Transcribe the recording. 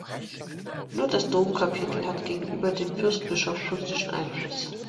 Nur das Domkapitel hatte gegenüber dem Fürstbischof politischen Einfluss.